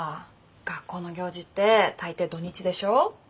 学校の行事って大抵土日でしょ。